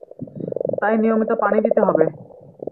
তাই নিয়মিত পানি দিতে হবে।